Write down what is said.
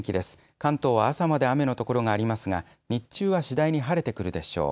関東は朝まで雨の所がありますが日中は次第に晴れてくるでしょう。